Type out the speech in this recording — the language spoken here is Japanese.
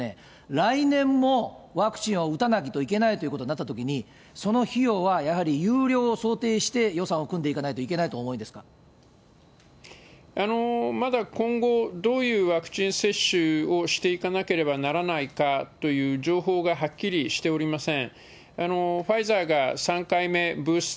来年もワクチンを打たないといけないということになったときに、その費用はやはり有料を想定して予算を組んでいかないといけないまだ今後、どういうワクチン接種をしていかなければならないかという情報がはっきりしておりません。